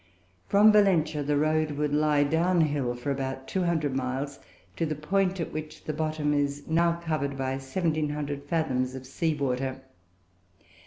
From Valentia the road would lie down hill for about 200 miles to the point at which the bottom is now covered by 1,700 fathoms of sea water.